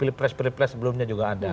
pilih press pilih press sebelumnya juga ada